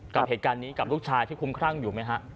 กับเหตุการณ์นี้กับลูกชายที่คุ้มครั่งอยู่ไหมฮะ